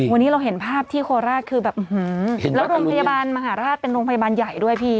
วันนี้เราเห็นภาพที่โคราชคือแบบแล้วโรงพยาบาลมหาราชเป็นโรงพยาบาลใหญ่ด้วยพี่